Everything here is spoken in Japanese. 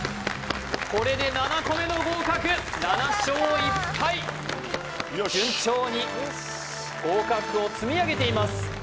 これで７個目の合格７勝１敗順調に合格を積み上げています